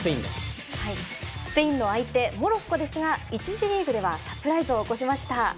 スペインの相手モロッコですが１次リーグではサプライズを起こしました。